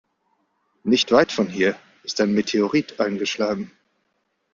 Nicht weit von hier ist ein Meteorit eingeschlagen.